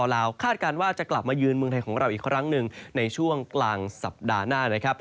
ลาวคาดการณ์ว่าจะกลับมายืนเมืองไทยของเราอีกครั้งหนึ่งในช่วงกลางสัปดาห์หน้านะครับ